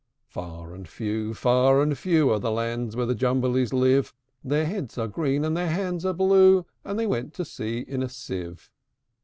Far and few, far and few, Are the lands where the Jumblies live: Their heads are green, and their hands are blue; And they went to sea in a sieve.